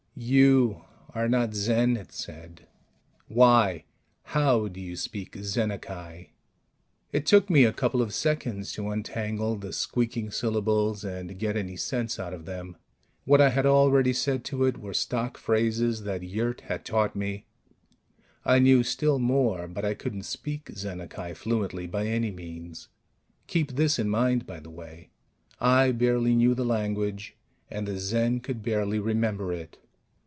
"You ... are not Zen," it said. "Why how do you speak Zennacai?" It took me a couple of seconds to untangle the squeaking syllables and get any sense out of them. What I had already said to it were stock phrases that Yurt had taught me; I knew still more, but I couldn't speak Zennacai fluently by any means. Keep this in mind, by the way: I barely knew the language, and the Zen could barely remember it.